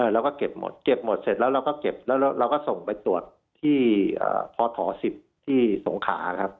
แล้วก็เก็บหมดเก็บหมดเสร็จแล้วเราก็เก็บแล้วเราก็ส่งไปตรวจที่พถ๑๐ที่สงขาครับ